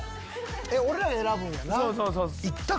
俺らが選ぶんやな。